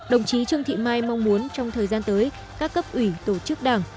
đồng chí trương thị mai mong muốn trong thời gian tới các cấp ủy tổ chức đảng